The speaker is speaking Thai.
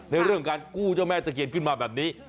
เรื่องการกู้เจ้าแม่ตะเคียนขึ้นมาแบบนี้